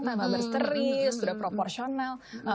tambah berseri sudah proporsional